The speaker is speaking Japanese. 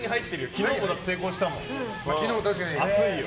昨日も成功したし、熱いよ。